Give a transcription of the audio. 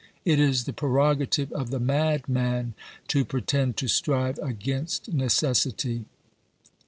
— It is the prerogative of the madman to pretend to strive against necessity.